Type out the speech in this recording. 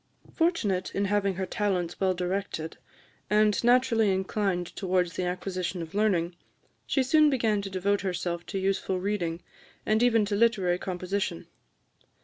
Fortunate in having her talents well directed, and naturally inclined towards the acquisition of learning, she soon began to devote herself to useful reading, and even to literary composition.